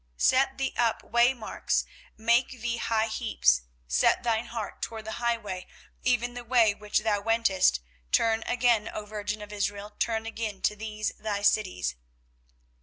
24:031:021 Set thee up waymarks, make thee high heaps: set thine heart toward the highway, even the way which thou wentest: turn again, O virgin of Israel, turn again to these thy cities.